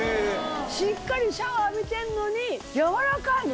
しっかりシャワー浴びてるのにやわらかいのなんか。